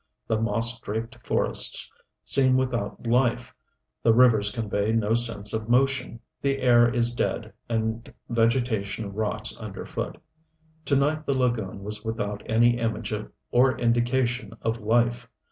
The moss draped forests seem without life, the rivers convey no sense of motion, the air is dead, and vegetation rots underfoot. To night the lagoon was without any image or indication of life.